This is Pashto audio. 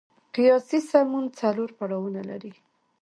قیاسي سمون څلور پړاوونه لري.